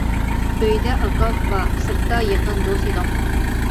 ئۆيدە ئاكا-ئۇكا، سىرتتا يېقىن دوست ئىدۇق.